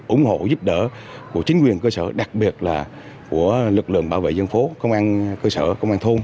ủng hộ giúp đỡ của chính quyền cơ sở đặc biệt là của lực lượng bảo vệ dân phố công an cơ sở công an thôn